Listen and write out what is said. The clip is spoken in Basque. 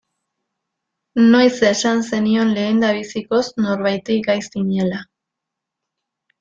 Noiz esan zenion lehendabizikoz norbaiti gay zinela.